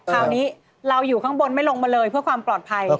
คราวนี้เราอยู่ข้างบนไม่ลงมาเลยเพื่อความปลอดภัย